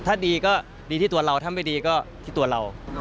ถ้าดีก็ดีที่ตัวเราถ้าไม่ดีก็ที่ตัวเรา